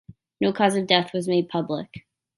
No cause of death was made public.